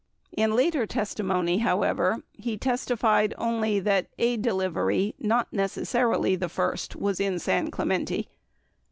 In later testimony, however, he testified only that, a deliv ery, not necessarily the first, was in San Clemente.